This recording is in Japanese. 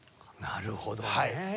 なるほどね。